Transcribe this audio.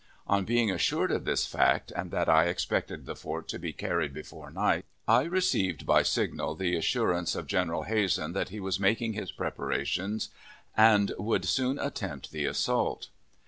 On being assured of this fact, and that I expected the fort to be carried before night, I received by signal the assurance of General Hazen that he was making his preparations, and would soon attempt the assault.